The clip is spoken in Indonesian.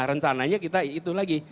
dan sebenarnya kita itu lagi